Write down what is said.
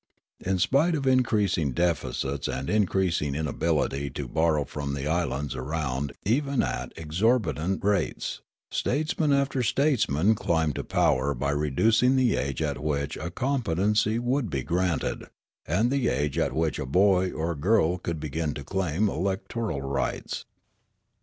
In spite of increasing deficits and increasing inability to borrow from the islands around even at exorbitant rates, statesman after statesman climbed to power by reducing the age at which a competency would be granted, and the age at which a boy or girl could begin to claim electoral rights.